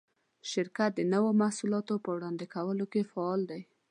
شرکت د نوو محصولاتو په وړاندې کولو کې فعال دی.